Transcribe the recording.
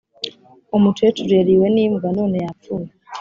Umucecuru yariwe ni mbwa none yapfuye